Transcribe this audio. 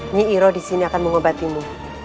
nyairo disini akan mengobatimu